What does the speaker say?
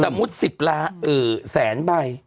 ถ้าถูกวกันก็สามารถถูกร้านบาท